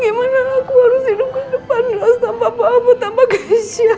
gimana aku harus hidup ke depan ramos tanpa bapak tanpa keisha jujur sayang